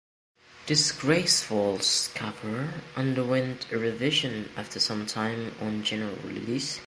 "Disgraceful"'s cover underwent a revision after some time on general release.